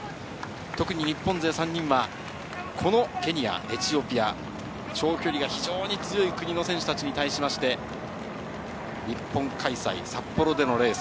特に日本勢３人はこのケニア、エチオピア、長距離が非常に強い国の選手に対して、日本開催、札幌でのレース。